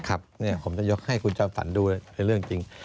ผมจะยกให้คุณจอมฝันดูเป็นเรื่องจริง